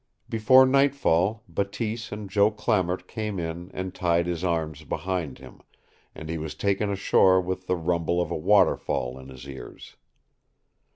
Before nightfall Bateese and Joe Clamart came in and tied his arms behind him, and he was taken ashore with the rumble of a waterfall in his ears.